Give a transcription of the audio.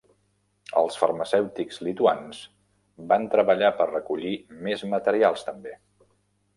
Els farmacèutics lituans van treballar per recollir més materials també.